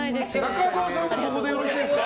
中沢さんはここでよろしいですか？